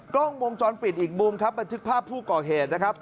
กล้องวงจรปิดอีกมุมครับบันทึกภาพผู้ก่อเหตุนะครับ